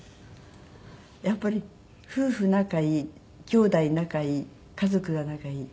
やっぱり夫婦仲いい姉妹仲いい家族が仲いい。